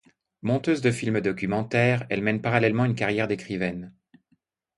Monteuse de films documentaires, elle mène parallèlement une carrière d'écrivaine.